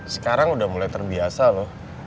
sekarang udah mulai terbiasa loh